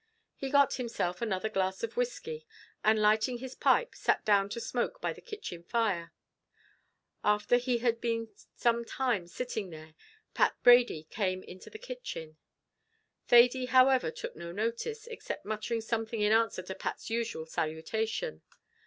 He got himself another glass of whiskey, and lighting his pipe, sat down to smoke by the kitchen fire; after he had been some time sitting there, Pat Brady came into the kitchen. Thady, however, took no notice, except muttering something in answer to Pat's usual salutation.